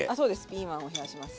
ピーマンを冷やします。